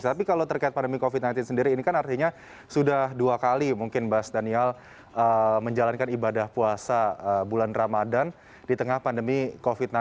tapi kalau terkait pandemi covid sembilan belas sendiri ini kan artinya sudah dua kali mungkin mas daniel menjalankan ibadah puasa bulan ramadhan di tengah pandemi covid sembilan belas